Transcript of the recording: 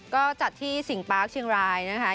ก็จัดที่สิงปาร์คเชียงรายนะคะ